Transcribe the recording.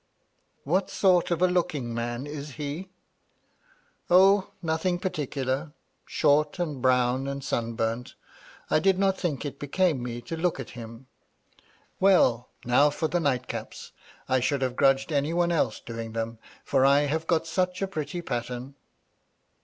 " What sort of a looking man is he ?" "O, nothing particular. Short, and brown, and sunburnt I did not think it became me to look at him. Well, now for the nightcaps. I should have grudged any one else doing them, for I have got such a pretty pattern